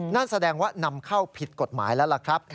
นั่นแสดงว่านำเข้าผิดกฎหมายแล้วล่ะครับ